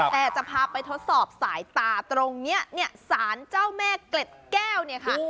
แต่จะพาไปทดสอบสายตาตรงนี้เนี่ยสารเจ้าแม่เกล็ดแก้วเนี่ยค่ะ